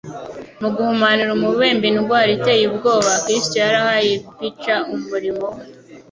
Mu guhumanura umubembe indwara itcye ubwoba, Kristo yari ahaye ipica umurimo we;